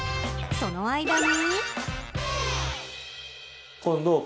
その間に。